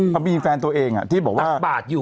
ไปยิงแฟนตัวเองที่บอกว่าตักบาดอยู่